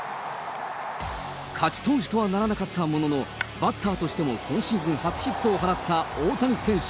勝ち投手とはならなかったもののバッターとしても今シーズン初ヒットを放った大谷選手。